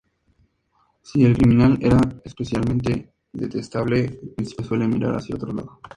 Si el criminal era especialmente detestable, el príncipe suele mirar hacia otro lado.